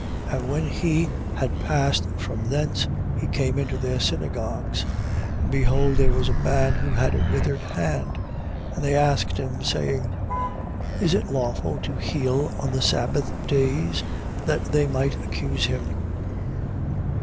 12:9. And when he had passed from thence, he came into their synagogues. 12:10. And behold there was a man who had a withered hand, and they asked him, saying: Is it lawful to heal on the sabbath days? that they might accuse him.